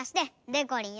でこりん。